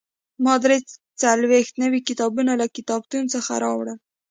ما درې څلوېښت نوي کتابونه له کتابتون څخه راوړل.